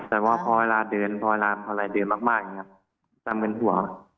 แต่ว่าพอเวลาเดือนพอเวลาเท่าไหร่เดือนมากอย่างนี้จะเมื้นหัว